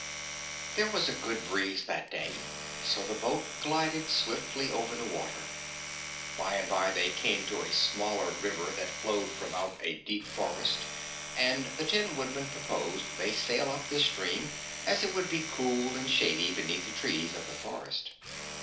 There was a good breeze that day, so the boat glided swiftly over the water. By and by they came to a smaller river that flowed from out a deep forest, and the Tin Woodman proposed they sail up this stream, as it would be cool and shady beneath the trees of the forest.